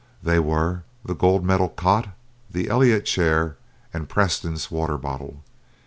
They were the Gold Medal cot, the Elliott chair, and Preston's water bottle.